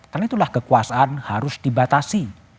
karena itulah kekuasaan harus dibatasi